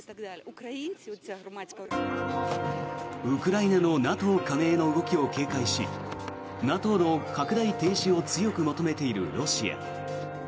ウクライナのＮＡＴＯ加盟の動きを警戒しＮＡＴＯの拡大停止を強く求めているロシア。